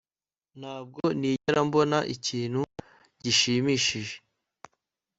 ntabwo nigera mbona ikintu gishimishije